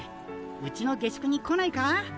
うちの下宿に来ないか？